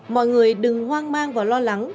mọi người đừng hoang mang và lo lắng